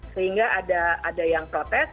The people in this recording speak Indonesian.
sehingga ada yang protes